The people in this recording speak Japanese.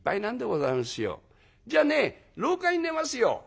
「じゃあね廊下に寝ますよ」。